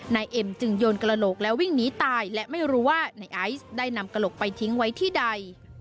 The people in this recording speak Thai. นายเอ็มจึงโยนกระโหลกแล้ววิ่งหนีตายและไม่รู้ว่านายไอซ์ได้นำกระโหลกไปทิ้งไว้ที่ใด